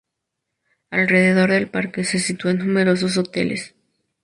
Alrededor del parque se sitúan numerosos hoteles.